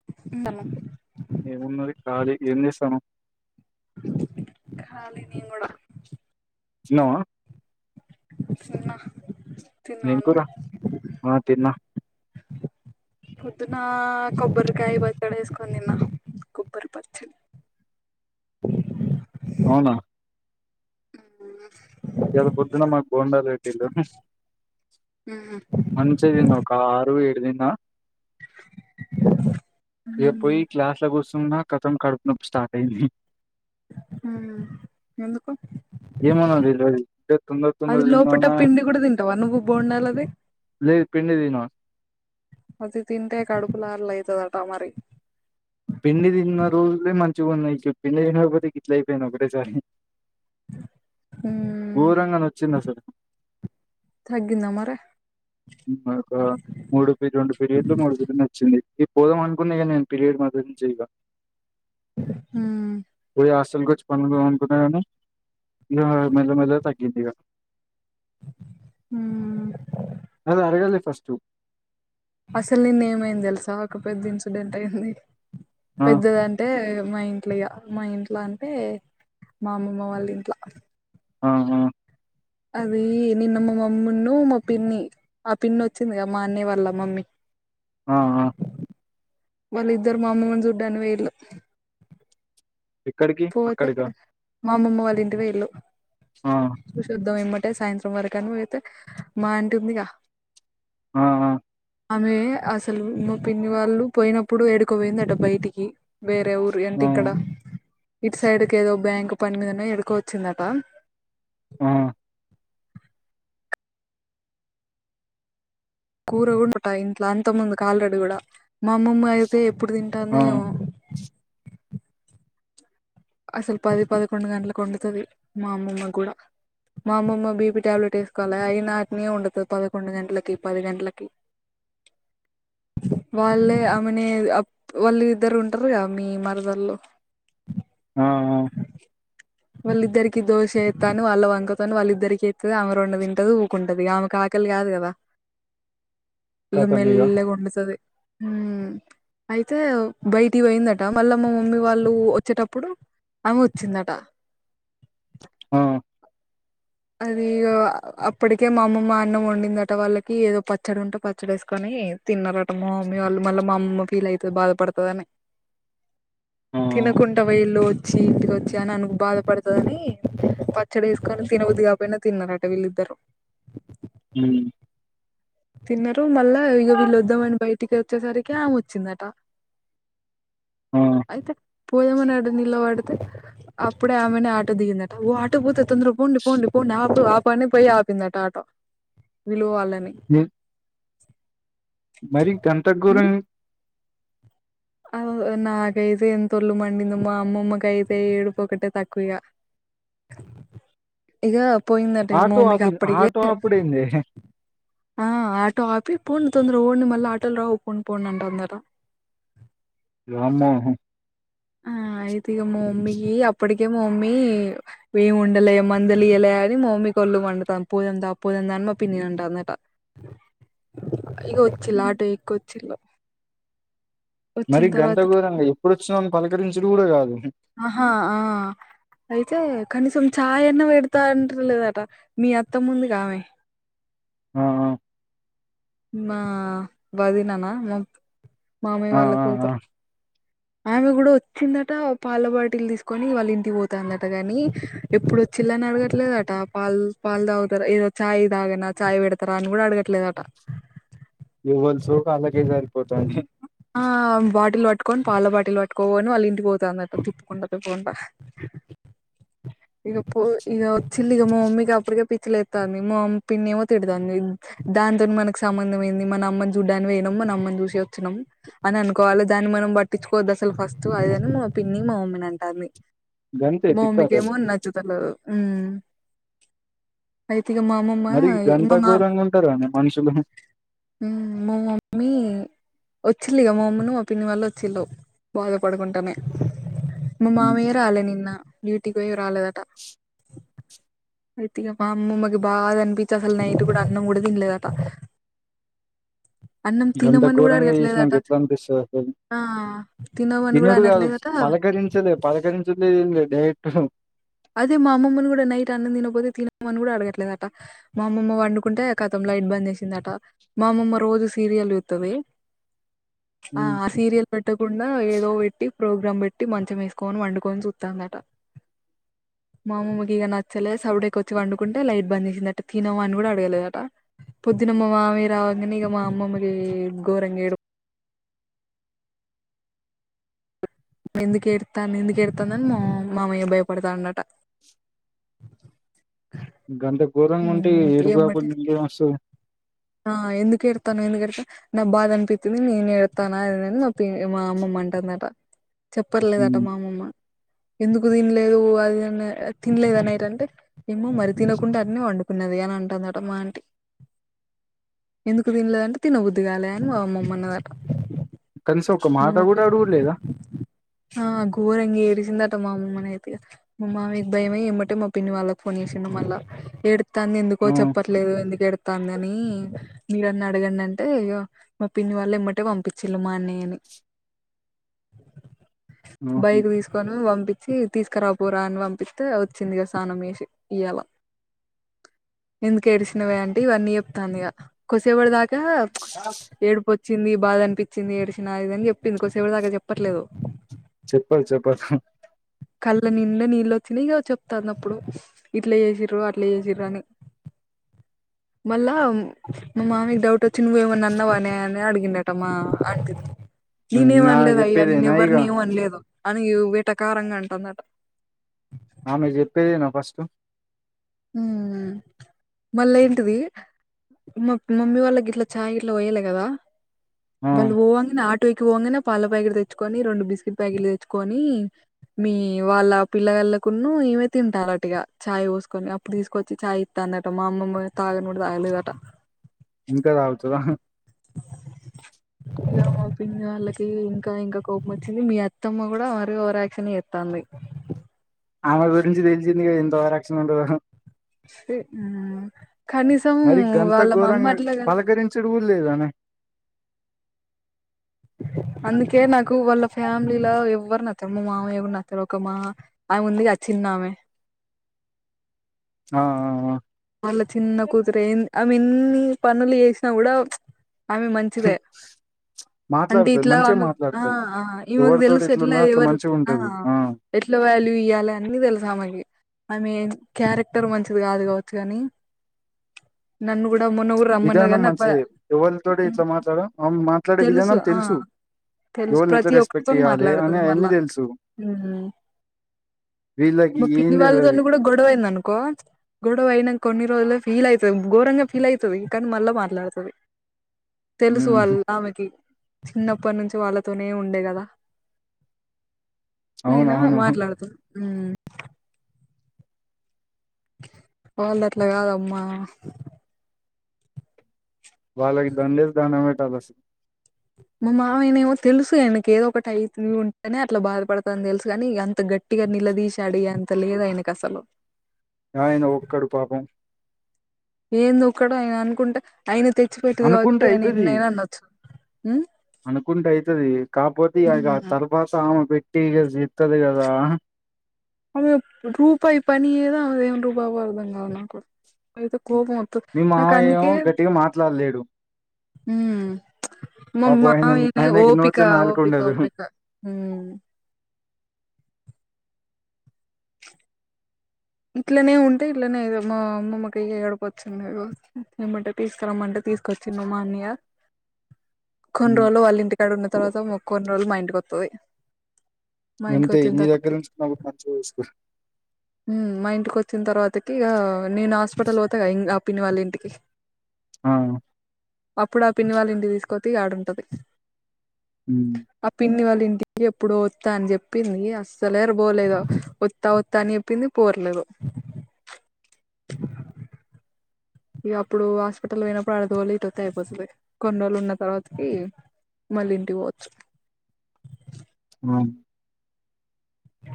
ఉ [unintelligible] ఏముంది మరి కాళీ ఏం చేస్తున్నావ్ కాలీ నేను కూడా తిన్నావా తిన్న ఏం కూరా ఆ తిన్నా పొద్దున్నకొబ్బరికాయ పచ్చడ వేస్కొనీ తిన్న కొబ్బరి పచ్చడి అవునా ఆ ఇయ్యాల పొద్దున మాకు బోండాలు పెట్టారు మ్మ్ మంచిగా తిన్న ఒక ఆరు ఏడుదిన్నా ఏ పోయి మ్మ్ క్లాస్ లో కూసున్నా కథం కడుపు నొప్పి స్టార్ట్ అయింది ఎందుకు ఏమనో తెల్వది తొందర తొందర అది లోపట తిన్నానా పిండి కూడా తింటావా నువ్వు బోండాలది లేదు పిండి తినను అది తింటే కడుపు [unintelligible] ర్లు అయితాదంట మరి పిండి తిన్న రోజులే మంచిగా ఉన్నాయి ఇక పిండి తినకపోతే గిట్ల అయిపోయింది ఒకటేసారి ఊ ఘోరంగా నొచ్చింది అసలు తగ్గందా మరి ఒక మూడు పి రెండు పీరియడులు మూడు పీరియడలు వచ్చింది ఇప్పుడే పోదం అనుకున్న గాని నేను పీరియడ్ మద్య నుంచి ఇగ ఉమ్ పోయి హాస్టల్ కొచ్చి పండ్లు తోముకున్న గానీ ఇగ మెల్లమెల్లగా తగ్గింది ఇగ ఉమ్ అది అడగాలి ఫస్టు అసలు నిన్న ఏమైంది తెలుసా ఒక పెద్ద ఇన్సిడెంట్ అయింది ఆ పెద్దదం అంటే మా ఇంట్లో ఇగ మా ఇంట్లో అంటే మా అమ్మమ్మ వాళ్ళ ఇంట్ల అవునా అది నిన్న మా మమ్మిన్ను మా పిన్ని ఆ పిన్ని వచ్చిందిగా మా అన్న్య వాల్ళ మమ్మీ ఆ ఆ వాళ్ళు ఇద్దరు మా అమ్మమ్మని చూడ్డానికి వైళ్ళు ఎక్కడికి పోతే అక్కడికా మా అమ్మమ్మ వాళ్ళ ఇంటి పోయిళ్ళు ఆ చూద్దాం ఏమటే సాయంత్రం వరకు అని పోతే మా ఇంట ఉందిగా ఆ ఆమె అసలు మా పిన్ని వాళ్ళు పోయినప్పుడు ఏడికోపోయింది అట బయటికి వేరే ఊరు ఏంటి ఆ ఇక్కడ ఇటు సైడ్కి ఏదో బ్యాంక్ పని మీదనే ఎడుకో వచ్చిందట ఆ కూర కూడా ఉంటాయి ఇంట్లో అంత ముందు కాలరెడీ కూడా మా అమ్మమ్మ అయితే ఎప్పుడు తింటాంద ఏమో అసలు పది పదకొండు గంటలకి వండుతది మా అమ్మమ్మ గూడా మా అమ్మమ్మ బీపీ టాబ్లెట్ వేసుకోవాలి అయినా అటానే ఉండదు పదకొండు గంటలకి పది గంటలకి వాళ్ళే ఆమెనే వాళ్ళు ఇద్దరు ఉంటారుగా మీ మరదల్లో ఆ వాళ్ళిద్దరికకి దోష ఎత్తది వాళ్ళ వంకతోని వాళ్ళిద్దరికి ఎత్తది ఆమె రెండు తింటది ఉ కొండది ఆమె కా ఆకలి కాదు కదా ఇక కతం ఇగ మెల్లగా వొందుతదీ ఉమ్ అయితే బయటి పోయిందట మళ్ళా మా మమ్మీ వాళ్ళు వచ్చేటప్పుడు అమె వచ్చిందట ఆ అది అప్పటికే మా అమ్మమ్మ అన్నం వండిందట వాళ్ళకి ఏదో పచ్చడి ఉంటే పచ్చడి వేసుకొని తిన్నరట మీ వాళ్ళు మళ్ళీ మా అమ్మ ఫీల్ అయితుంది బాధపడుతదని ఆ తినకుంటా వైళ్ళు వచ్చి ఇంటికి వచ్చి అని అనకు బాధపడుతుందని పచ్చడి ఏసుకొని తినబుధ్ధి కాకపోయినా తిన్నారట వీళ్ళిద్దరు ఉమ్ తిన్నారు మళ్ళా ఇగ వీళ్ళ వద్దామని బయటికి వచ్చేసరికి ఆమె వచ్చిందట ఆ అయితే పోదామని ఆడ నిలబడితే అప్పుడే ఆమెనే ఆటో దిగిందట ఓ ఆటో పోతే తొందర పోండి పోండి పోండి ఆపు ఆపు అని పొయ్యి ఆ పిందట ఆటో వీళ్ళు బోవాలని ఉమ్ మరి గంత ఉ ఘోరం ఏమి అవ్ నాకైతే ఎంత ఒళ్లు మండిందో మా అమ్మమ్మకైతే ఏడుపు ఒకటే తక్కువ ఇగ ఇగ పోయిందంట ఇగ ఆటో మోమిగ ఆపి అప్పటికే ఆటో ఆపుడేందే ఆ ఆటో ఆపి పోండి తొందరగా పోండి మళ్ళా ఆటోలు రావు పోండి పోండి అంటాందట వామ్మో ఆ అయితే ఇగ మా మమ్మీకి అప్పటికే మా మమ్మీ మేం ఉండలేం మందులు ఇయ్యలే అని మా మమ్మీకి వోళ్ళు మండుతాం పోదాం దా పోదాం దా అని మా పిన్ని ని అంటాందట ఇగ వొచ్చిల్లు ఆటో ఎక్కి వొచ్చిల్లు మరీ గంత ఘోరంగా ఎప్పుడొచ్చినావ్ అని పలకరించుడు కూడా కాదు ఆహా ఆ అయితే కనీసం చాయ్ అన్నా పెడతా అంటలేదట మీ అత్తమ్మ ఉందిగా ఆమె ఆ ఆ మా వదిననా మొ మామయ్య ఆ వాళ్ళ ఆ ఆ కూతురు ఆమె కూడా వచ్చిందట పాల బాటిలు తీసుకొని వాళ్ళింటికి పోతాదట గానీ ఎప్పుడొచ్చిల్లని అడగట్లేదట పాలు పాలు తాగుతారా ఏదో ఛాయ్ తగనా చాయ్ పెడతారా అని కూడా అడగట్లేద ఎవ్వల సోకు ఆళ్ళకే సరిపోతయి అని ఆ బాటిల్ పట్టుకొని పాల బాటిళ్లు పట్టుకోని వాళ్ళు ఇంటికి పోతా ఉందట తిప్పుకుంటా తిప్పకుంటా ఈడ పో ఈడ వచ్చింది గా మా మమ్మీకి అప్పుడికే పిచ్చిలే తాని మామ్ పిన్నీ ఏమో తిడతాంది దానితోని మనకు సమ్మందం ఏంది మన అమ్మని చూడ్డానికి పోయినాము మన అమ్మని చూసి చ్చినం అని అనుకోవాలి దాన్ని మనం బట్ ట్టిచ్చుకోవద్దు అసలు ఫస్టు అది అని మా పిన్ని మా మమ్మీని అంటాంది గంతే మా మమ్మీకి తిట్టారు ఏమో నచ్చుతలేదు ఉమ్ అయితే ఇగ మా అమ్మమ్మ మరీ మా గంత ఘోరంగా ఉంటారా అండి మనుషులు ఊ మా మమ్మీ వచ్చిల్లిగ మా మమ్మిను మా పిన్ని వాళ్ళ చ్చిల్లు బాధపడుకుంటానే మా మామయ్య రాలే నిన్న డ్యూటీకి పొయ్యి రాలేదట అయితే ఇగ మా అమ్మమ్మకి బాధ అనిపిచ్చి అసలు నైట్ కూడా అన్నం కూడా తినలేదట అన్నం గంత తినమని కూడా ఘోరంగా చేసినంక అడగట్లేదట ఎట్లా అనిపిస్తది అసలు ఆ తినమని కూడా తనుడు గాదు అనట్లేదట పలకరించలే పలకరించట్లేదు ఏం లేదు డైయెట్ [inaudible] అదే మా అమ్మని కూడా నైట్ అన్నం తినకపోతే తినమని కూడా అడగట్లేదట మా అమ్మమ్మ వండుకుంటే ఖతం లైట్ బంద్ చేసిందట మా అమ్మమ్మ రోజూ సీరియల్ చూత్తది ఆ హ్మ్ ఆ సీరియల్ పెట్టకుండా ఏదో పెట్టి ప్రోగ్రామ్ పెట్టి మంచం ఏసుకొని పండుకొని చూత్తాందట మా అమ్మమ్మకి ఇగ నచ్చలే సవుడేకొచ్చి వండుకుంటే లైట్ బంద్ చేసిందట తినమని కూడా అడగలేదట పొద్దున మా మామయ్య రావంగనే ఇగ మా అమ్మమ్మకి ఘోరంగా ఏడు ఎందుకు ఏడుత్తాంది ఎందుకు ఏడుత్తాంది అని మా మామయ్య భయపడుతాండు అట గంత ఘోరంగా ఉంటే ఏడుపు ఎమ్మటే కాకుంటే ఇంకేం వస్తది ఆ ఎందుకు ఏడుత్తన్నావ్ ఎందుకు ఏడుత నా బాధ అనిపిత్తుంది నేను ఏడుత్తానా అని మా పి మా అమ్మమ్మ అంటుందట చెప్పర్లేదట హ్మ్ మా అమ్మమ్మ ఎందుకు తినలేదు అది ఇద్ తినలేదు అనేటంటే ఏమో మరి తినకుండా అట్ న్ పండుకున్నది అని అంటుందట మా ఆంటి ఎందుకు తినలేదంటే తిన బద్దిగాలే అని మా అమ్మమ్మ అన్నదట కనీసం ఒక ఇగ మాట మ పి కూడా అడుగుడులేదా ఆ గోరంగ ఏడిసిందాట మా అమ్మమ్మ నయితె ఇగ మా మామయ్యాకు భయమై ఏమ్మటే మా పిన్ని వాళ్ళకు ఫోన్ చేసిండు మళ్ళ ఏడుతాంది ఎందుకో ఆ చెప్ప ట్లేదు ఎందుకు ఎడతాంది అని మీరన్న అడగండి అంటే ఇగ మా పిన్ని వాళ్ళు ఏ మ్మటే పంపిచ్చిళ్ళు మా అన్నయ్యని ఆహా బైక్ తీస్ కొని పంపించి తీసుకురాపోరా అని పంపిస్తే వచ్చిందిగా స్నానం చేసి ఇయ్యలా ఎందుకు ఏడిసినవే అంటే ఇవన్నీ చెప్తాంది ఇగ కొద్ధిసేపటి దాకా ఏడిపో చ్చింది బాధ అనిపించింది ఏడిచినా అది ఇదని చెప్పింది కొద్దిసేపటి దాకా చెప్పట్లేదు చెప్పద్ చెప్పద్ కళ్ళ నిండా నీళ్ళొచ్చినయ్ ఇగ చెప్తాంది అప్పుడు ఇట్లా చేసిర్రు ట్ల చేసిర్రని మళ్ళా మా మామయ్యకి డౌట్ వచ్చి నువ్వు ఏమన్నా అన్నవానే అని అడిగిండట మా ఆంటిని హ్మ్ నేనేం ఆమె అనలేదయ్యా నేను చెప్పేదేనా ఇగ ఎవ్వరిని ఏం అనలేదు అని వేటాకారంగా అంటందట ఆమె చెప్పేదే నా ఫస్ట్ మ్ మళ్ళ ఏంటిది మా మమ్మీ వాళ్ళకి గిట్లా చాయ్ గిట్లా పోయ్యాలి కదా ఆ వాళ్ళు పోంగనే ఆటో ఎక్కి పోంగనే పాల ప్యాకిట్లు తెచ్చుకొని రెండు బిస్కెట్ ప్యాకిీట్లు తెచ్చుకొని మీ వాళ్ళ పిల్లగళ్ళకున్ను ఇమే తింటాలటిగా చయిపోసుకొని తీసుకొచ్చి చాయ్ ఇతందట మా అమ్మమ్మ తాగను కూడా తాగలేదట ఇంకా తాగుతద ఇగ మా పిన్ని వాళ్ళకి ఇంకా ఇంకా కోపం వచ్చింది మీ అత్తమ్మ కూడా మరి రాక్షన్ చేస్తాంది ఆమె గురించి తెలిసింది గ ఎంత ఓవరాక్షన్ ఉంటదో చి మ్ కనీసం వాళ్ళ మమ్మట్లే కదా చ్చు కూడా లేదానే అందుకే నాకు వాళ్ళ ఫ్యామిలీల ఎవ్వరు నచ్చరు మా మామయ్య కూడ నచ్చరు ఒక మా ఆమె వుందిగా చిన్నామె ఆ ఆ ఆ వాళ్ళా చిన్న కుతురే ఎంద్ అమె ఎన్ని పనులు చేసినా కూడా ఆమె మంచిదే అంటే మాట్లాడుతది ఇట్లా మంచిగా ఆమెకు ఆ మాట్లాడుతది ఆ ఈమెకు ఎవరితోటి తెలుసు ఎట్లా ఎట్లున్నా అట్లా ఎవరు మంచిగా ఆ ఉంటది ఎట్లా వాల్యూ ఇయ్యాలే అన్ని తెలుసు ఆమెకి ఆమె క్యారెక్టర్ మంచిది కాదు కాబ చ్చు కానీ నన్ను కూడా మొన్న కూడా రమ్మన్నది విధానం కాని నాకు బ మంచిది ఎవరితోటి ఇట్లా మాట్లాడ మాట్లాడే తెలుసు విధానం ఆ తెల్సు ఎవరిని ఎట్లా ప్రతి రెస్పెక్ట్ ఒక్కరితోను ఇయ్యాలి అని మాట్లాడుతది అన్నీ మళ్ళా తెలుసు మ్ వీళ్ళకి మా ఏం పిన్ని తెల్వది వాళ్ళతోని కూడా గొడవయిందనుకో గొడవ అయినా కొన్ని రోజులె ఫీల్ అయితది ఘోరంగా ఫీల్ అయితది కానీ మళ్ళా మాట్లాడుతది తెలుసు ఉమ్ వాళ్ళ ఆమెకి చిన్నప్పటి నుంచి వాళ్ళతోనే ఉండే కదా నేనా అవునవును మాట్లడుతది మ్ వాళ్లది అట్లా కాదమ్మా వాళ్ళకి దండేసి దాండం పెట్టాలి అస మా మామయ్య నేమో తెలుసు ఆయనకి ఏదో ఒకటి అయితు ఉంటేనే అట్లా బాధపడతా అని తెలుసు కానీ అంత గ ట్టిగా నిలదీసి అడిగే అంత లేదు ఆయనకు అసలు ఆయన ఒక్కడు పాపం ఏంది ఒక్కడు ఆయన అనుకుంటే ఆయన తెచ్చి పెట్టేది కాబట్టి అనుకుంటే ఆయన అయితది ఎన్నైనా అనొచ్చ అనుకుంటే అయితది కాపోతే ఇగ ఆ తలు కోసం ఆమె పెట్టి ఇగ జిత్తది కదా అమె రూపాయి పనిచేయదు ఆమెదేమో రుబాబు అర్థం కాదు నాకు నాకైతే కోపం వత్తు మీ మామయ్య నాకందుకే ఏమో గట్టిగా మాట్లాడలేడు ఉమ్మ్ మా పాపం ఆయన మామయ్యకి ఆయనకి నోట్లో ఓపికా నాలుక ఓపికా ఉండదు ఓపికా ఉమ్మ్ ఇట్లనే ఉంటే ఇట్లనే ఏదో మా అమ్మమ్మకి ఏడుపొచ్చింది ఇగో ఏమ్మటే తీసుకురమ్మంటే తీసుకొచ్చిండు మా అన్నయ్య కొన్ని ఉమ్, రోజులు వాళ్ళ ఇంటికాడ ఉన్న తర్వాత కొన్ని రోజులు మా ఇంటికొత్తది ఇగంతే నీ దగ్గర నుంచి మా అవ్వని మంచిగా చూసుకొ ఉమ్మ్ మా ఇంటికొచ్చిన తర్వాతకి ఇగ నేను హాస్పిటల్ పోతాగా ఇంగ పిన్ని వాళ్ళ ఇంటికి ఆ అప్పుడు ఆ పిన్ని వాళ్ళ ఇంటికి తీసుకుపోతే ఇగ ఆడుంటది ఉమ్మ్ ఆ పిన్ని వాళ్ళ ఇంటికి ఎప్పుడో వత్తా అని చెప్పింది అస్సలేర్ పోలేదు వత్తా వత్తా అని చె ప్పింది పోర్లేదు ఇగ అప్పుడు హాస్పిటల్‌కి పోయినప్పుడు ఆడ తోలి ఇటోత్తే అయిపోతది కొన్ని రోజులు ఉన్న తర్వాతకి మళ్ళీ ఇంటికి పోవచ్చు ఆమ్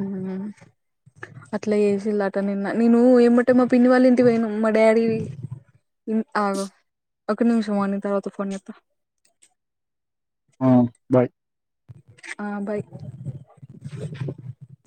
ఉమ్మ్ అట్లా చేసిల్లటా నిన్న నేను ఎమ్మటే మా పిన్ని వాళ్ళు ఇంటికి పోయినం మా డాడీ ఓం ఆగు ఒక్క నిమిషము నేను తర్వాత ఫోన్ చేత్త ఆ బాయ్ ఆ బాయ్